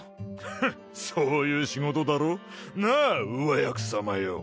はっそういう仕事だろなあ上役様よう！